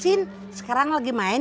saya tidak ada yang menguruskan